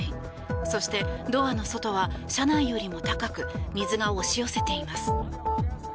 そして、ドアの外は車内よりも高く水が押し寄せています。